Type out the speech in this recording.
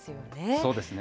そうですね。